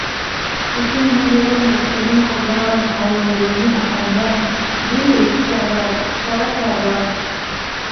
روسي نماینده ګان، پاکستاني مخبران او ایراني اخندان درې چارکه وو.